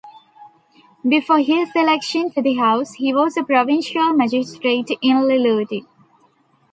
Before his election to the House, he was a provincial magistrate in Lillooet.